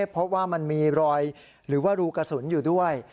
เพราะว่ามันมีรอยหรือว่ารูกระสุนอยู่ด้วย